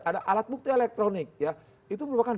ada alat bukti elektronik ya itu merupakan